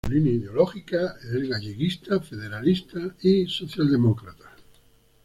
Su línea ideológica es galleguista, federalista y socialdemócrata.